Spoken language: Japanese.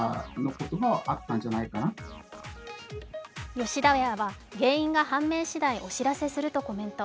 吉田屋は、原因が判明しだいお知らせするとコメント。